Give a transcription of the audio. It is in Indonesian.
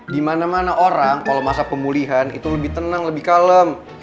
di mana mana orang kalau masa pemulihan itu lebih tenang lebih kalem